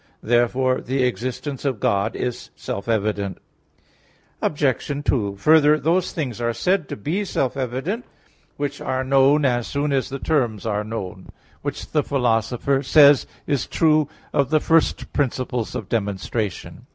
Therefore the existence of God is self evident. Obj. 2: Further, those things are said to be self evident which are known as soon as the terms are known, which the Philosopher (1 Poster. iii) says is true of the first principles of demonstration.